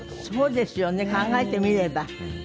すごいですよね考えてみれば。